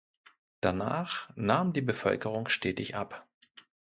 Danach nahm die Bevölkerung stetig ab.